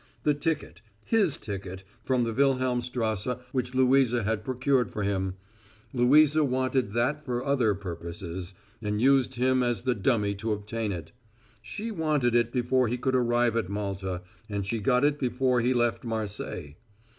The ticket his ticket from the Wilhelmstrasse which Louisa had procured for him; Louisa wanted that for other purposes, and used him as the dummy to obtain it. She wanted it before he could arrive at Malta and she got it before he left Marseilles.